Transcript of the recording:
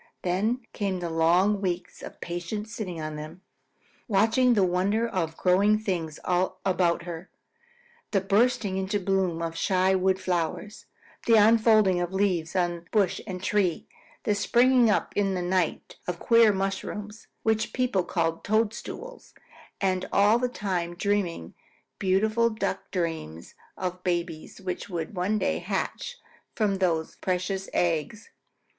Then came long weeks of patient sitting on them, watching the wonder of growing things about her, the bursting into bloom of shy wood flowers, the unfolding of leaves on bush and tree, the springing up in a night of queer mushrooms, which people call toadstools, and all the time dreaming beautiful Duck dreams of the babies which would one day hatch from those precious eggs.